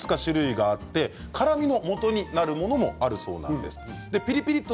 ポリフェノールにはいくつか種類があって辛みのもとになるものもあるそうなんです。